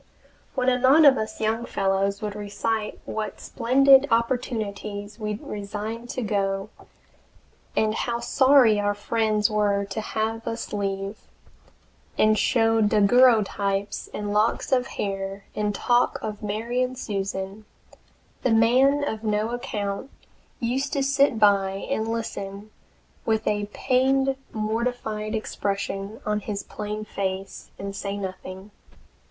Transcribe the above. When a knot of us young fellows would recite what splendid opportunities we resigned to go, and how sorry our friends were to have us leave, and show daguerreotypes and locks of hair, and talk of Mary and Susan, the man of no account used to sit by and listen with a pained, mortified expression on his plain face, and say nothing.